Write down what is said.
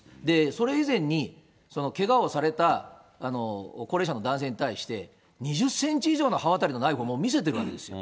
それ以前に、けがをされた高齢者の男性に対して、２０センチ以上の刃渡りのナイフをもう見せているわけですよ。